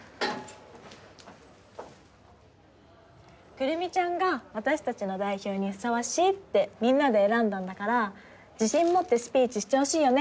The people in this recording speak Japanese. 久留美ちゃんが私たちの代表にふさわしいってみんなで選んだんだから自信持ってスピーチしてほしいよね。